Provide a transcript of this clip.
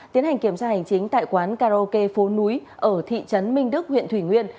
tiến hành kiểm tra hành chính tại quán karaoke phố núi ở thị trấn minh đức huyện thủy nguyên